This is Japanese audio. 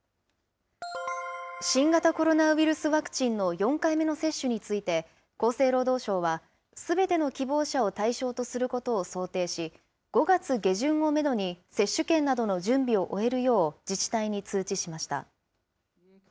新型コロナウイルスワクチンの４回目の接種について、厚生労働省は、すべての希望者を対象とすることを想定し、５月下旬をメドに接種券などの準備を終えるよう、自治体に通知しました。